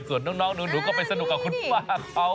ส่วนน้องหนูก็ไปสนุกกับคุณป้าเขา